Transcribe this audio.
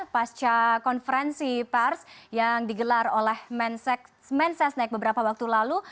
pasca konferensi pers yang digelar oleh mensesnek beberapa waktu lalu